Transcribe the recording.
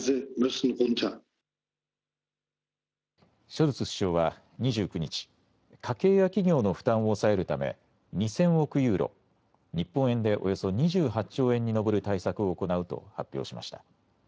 ショルツ首相は２９日、家計や企業の負担を抑えるため２０００億ユーロ、日本円でおよそ２８兆円に上る対策を行うと発表しました。